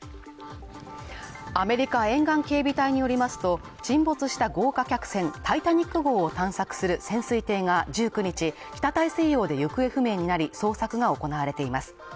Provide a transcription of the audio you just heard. アメリカ沿岸警備隊によりますと、沈没した豪華客船「タイタニック」号を探索する潜水艇が１９日、北大西洋で行方不明になり捜索が行われています。